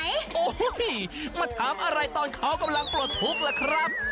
โอ้โหมาถามอะไรตอนเขากำลังปลดทุกข์ล่ะครับ